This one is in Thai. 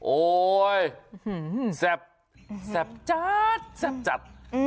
โอ๊ยแซ่บแซ่บจัดแซ่บจัด